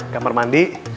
gak mar mandi